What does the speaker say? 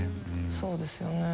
そうですよね。